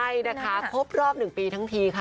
ใช่นะคะครบรอบ๑ปีทั้งทีค่ะ